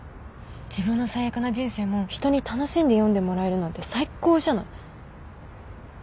自分の最悪な人生も人に楽しんで読んでもらえるなんて最高じゃない？